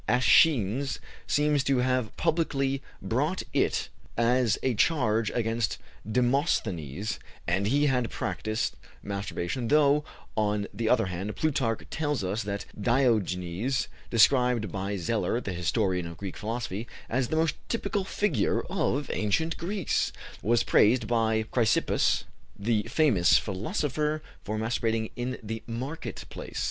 Æschines seems to have publicly brought it as a charge against Demosthenes that he had practiced masturbation, though, on the other hand, Plutarch tells us that Diogenes described by Zeller, the historian of Greek philosophy, as "the most typical figure of ancient Greece" was praised by Chrysippus, the famous philosopher, for masturbating in the market place.